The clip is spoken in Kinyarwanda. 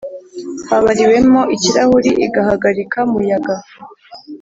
habariwemo ikirahuri igihagarika muyaga